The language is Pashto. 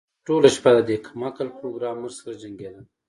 زه ټوله شپه د دې کم عقل پروګرامر سره جنګیدم